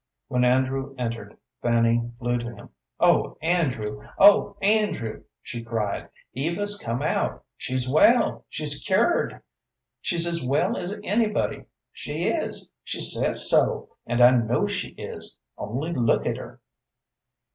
When Andrew entered Fanny flew to him. "O Andrew O Andrew!" she cried. "Eva's come out! She's well! she's cured! She's as well as anybody! She is! She says so, and I know she is! Only look at her!"